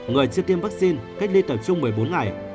người chưa tiêm vaccine cách ly tập trung một mươi bốn ngày